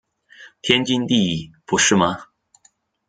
天经地义不是吗？